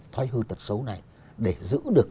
thói hư tật xấu này để giữ được